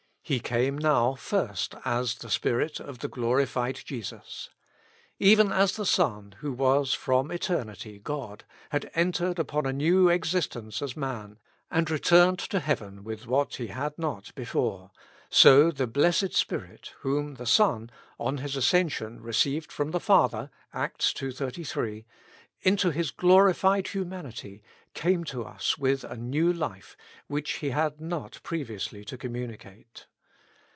He came now first as the Spirit of the glorified Jesus. Even as the Son, who was from eternity God, had entered upon a new existence as man, and returned to heaven with what He had not before, so the Blessed Spirit, whom the Son, on His ascension, received from the Father (Acts ii. 2)3) into His glorified humanity, came to us with a new life, which He had not previously to communicate.